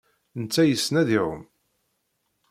Netta yessen ad iɛum.